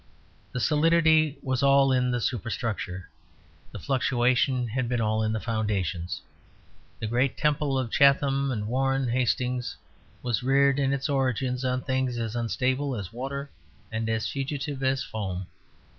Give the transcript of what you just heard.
The solidity was all in the superstructure; the fluctuation had been all in the foundations. The great temple of Chatham and Warren Hastings was reared in its origins on things as unstable as water and as fugitive as foam.